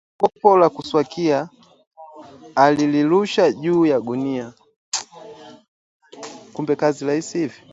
Kopo la kuswakia alilirusha juu ya gunia